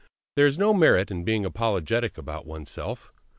There is no merit in being apologetic about oneself.